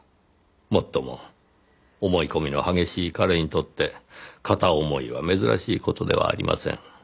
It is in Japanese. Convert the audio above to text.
もっとも思い込みの激しい彼にとって片思いは珍しい事ではありません。